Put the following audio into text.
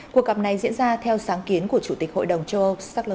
cuộc gặp này diễn ra theo sáng kiến của chủ tịch hội đồng châu âu charles